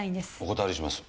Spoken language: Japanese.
お断りします。